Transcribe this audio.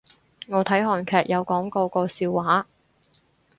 我睇韓劇有講過個笑話